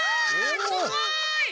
すごい！